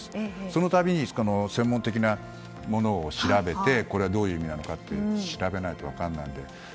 その度に専門的なものをこれはどういう意味なのか調べないといけないので。